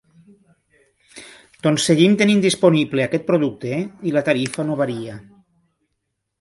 Doncs seguim tenint disponible aquest producte i la tarifa no varia.